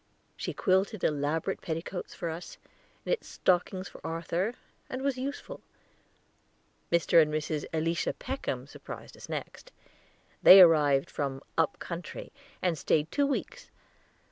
She quilted elaborate petticoats for us, knit stockings for Arthur, and was useful. Mr. and Mrs. Elisha Peckham surprised us next. They arrived from "up country" and stayed two weeks.